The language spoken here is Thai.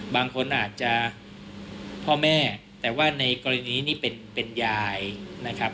บางคนอาจจะพ่อแม่แต่ว่าในกรณีนี้เป็นยายนะครับ